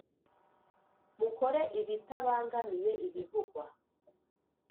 Mukore iBitabangamiye ibivugwa.